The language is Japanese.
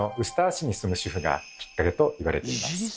市に住む主婦がきっかけと言われています。